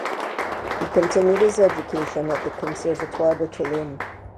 He continued his education at the Conservatoire de Toulon.